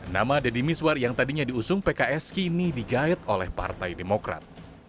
nama deddy miswar yang tadinya diusung pks kini digait oleh partai demokrat